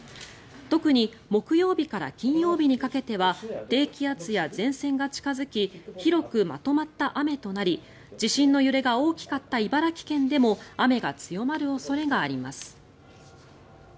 特に木曜日から金曜日にかけては低気圧や前線が近付き広くまとまった雨となり地震の揺れが大きかった茨城県でも雨が強まる恐れがあります。